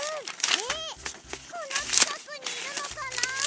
えっこのちかくにいるのかなあ？